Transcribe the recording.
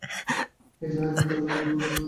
এই জাহাজে কাপের গুরুতর ঘাটতি রয়েছে।